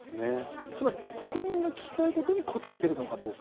つまり、国民が聞きたいことに答えているのかどうか。